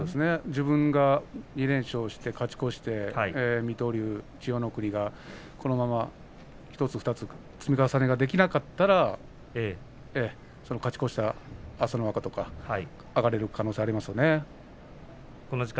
自分が２連勝して勝ち越して水戸龍、千代の国が１つ２つ積み重ねができなかったら朝乃若とか上がれる可能性がありますね。